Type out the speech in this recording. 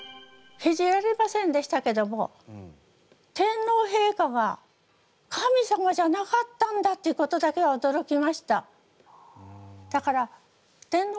信じられませんでしたけども天皇陛下が神様じゃなかったんだってことだけは驚きました。